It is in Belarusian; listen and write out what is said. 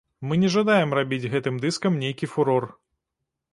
Мы не жадаем рабіць гэтым дыскам нейкі фурор.